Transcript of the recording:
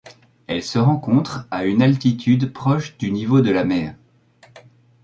Elle se rencontre à une altitude proche du niveau de la mer.